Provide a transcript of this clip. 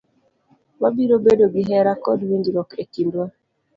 Wabiro bedo gi hera kod winjruok e kindwa.